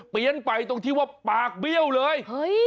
เปลี่ยนไปตรงที่ว่าปากเบี้ยวเลยเฮ้ย